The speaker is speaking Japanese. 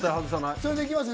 それで行きますね？